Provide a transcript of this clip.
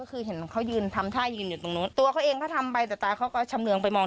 คือเห็นเขายืนทำช่ายืนอยู่ตรงนู้น